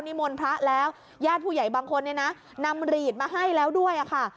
มนต์พระแล้วญาติผู้ใหญ่บางคนเนี่ยนะนำหลีดมาให้แล้วด้วยค่ะ